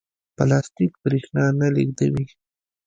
پلاستیک برېښنا نه لېږدوي.